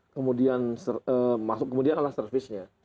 kemudian masuk kemudian adalah servisnya